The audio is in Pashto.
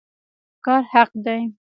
کار حق دی